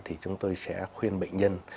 thì chúng tôi sẽ khuyên bệnh nhân